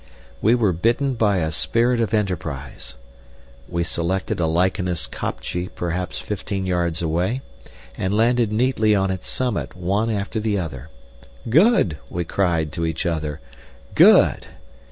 We were bitten by a spirit of enterprise. We selected a lichenous kopje perhaps fifteen yards away, and landed neatly on its summit one after the other. "Good!" we cried to each other; "good!"